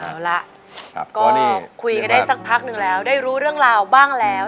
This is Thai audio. เอาละก็คุยกันได้สักพักหนึ่งแล้วได้รู้เรื่องราวบ้างแล้ว